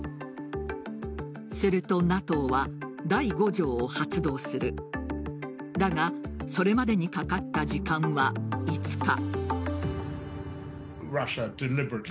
するとＮＡＴＯは第５条を発動するだが、それまでにかかった時間は５日。